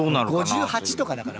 ５８とかだから。